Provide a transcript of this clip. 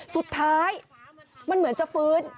สุดท้ายมันเหมือนจะฟื้น